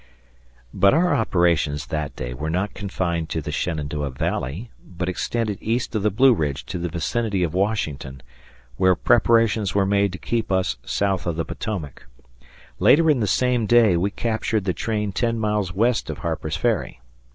But our operations that day were not confined to the Shenandoah Valley, but extended east of the Blue Ridge to the vicinity of Washington, where preparations were made to keep us south of the Potomac. Later in the same day we captured the train ten miles west of Harper's Ferry.